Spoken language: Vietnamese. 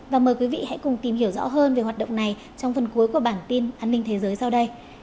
và mời quý vị hãy cùng tìm hiểu rõ hơn về hoạt động này trong phần cuối của bản tin an ninh thế giới sau đây